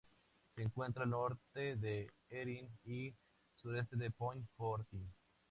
Se encuentra al norte de Erin y al sureste de Point Fortin.